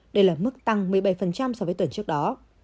đây là mức tăng một mươi bảy so với tuần trước đó